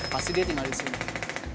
pasti dia tinggal di sini